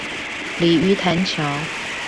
鯉魚潭橋